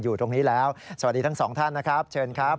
อยู่ตรงนี้แล้วสวัสดีทั้งสองท่านนะครับเชิญครับ